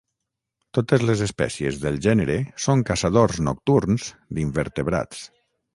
Totes les espècies del gènere són caçadors nocturns d'invertebrats.